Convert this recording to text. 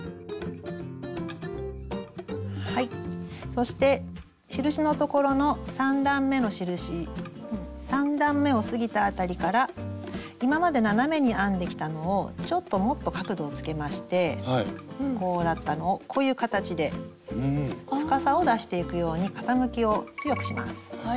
そして印のところの３段めの印３段めを過ぎたあたりから今まで斜めに編んできたのをちょっともっと角度をつけましてこうだったのをこういう形で深さを出していくように傾きを強くします。